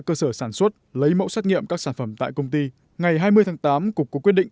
cơ sở sản xuất lấy mẫu xét nghiệm các sản phẩm tại công ty ngày hai mươi tháng tám cục có quyết định